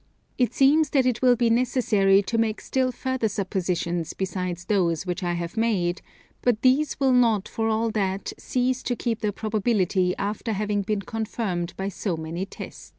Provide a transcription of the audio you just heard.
It seems that it will be necessary to make still further suppositions besides those which I have made; but these will not for all that cease to keep their probability after having been confirmed by so many tests.